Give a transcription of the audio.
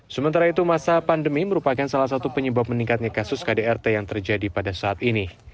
sementara itu masa pandemi merupakan salah satu penyebab meningkatnya kasus kdrt yang terjadi pada saat ini